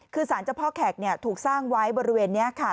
คือสารเจ้าพ่อแขกถูกสร้างไว้บริเวณนี้ค่ะ